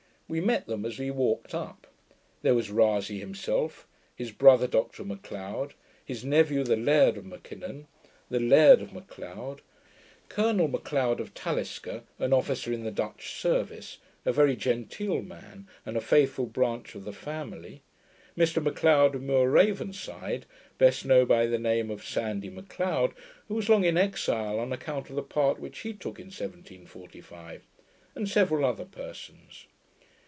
We met them as we walked up. There were Rasay himself; his brother Dr Macleod; his nephew the Laird of M'Kinnon; the Laird of Macleod; Colonel Macleod of Talisker, an officer in the Dutch service, a very genteel man, and a faithful branch of the family; Mr Macleod of Muiravenside, best known by the name of Sandie Macleod, who was long in exile on account of the part which he took in 1745; and several other persons.